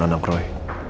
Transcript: bukan anak roy